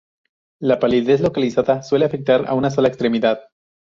La palidez localizada suele afectar a una sola extremidad.